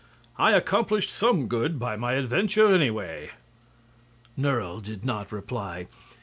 "I accomplished some good by my adventure, anyway!" Nerle did not reply.